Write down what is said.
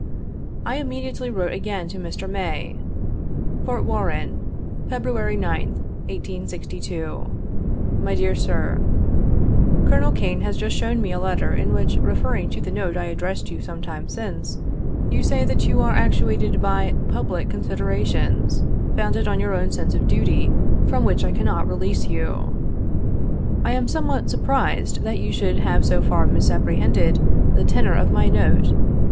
I immediately wrote again to Mr. May :" Fort Warren, February 2th, 1862. "My Dear Sir:— " Colonel Kane has just shown me a letter, in which, refer ring to the note I addressed you some time since, you say that you are actuated by ' public considerations,' founded on your own sense of duty, from which I cannot release you. I am somewhat surprised that you should have so far misapprehended the tenor of my note.